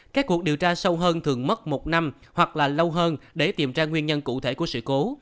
các cuộc điều tra sâu hơn thường mất một năm hoặc là lâu hơn để tìm ra nguyên nhân cụ thể của sự cố